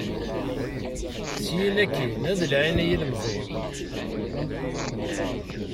Syin akkin ad laɛin i yilemẓi.